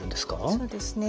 そうですね。